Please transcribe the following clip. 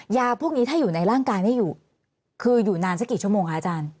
ยาพวกนี้ถ้าอยู่ในร่างกายได้อยู่คืออยู่นานสักกี่ชั่วโมงคะอาจารย์